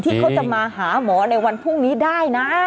ที่เขาจะมาหาหมอในวันพรุ่งนี้ได้นะ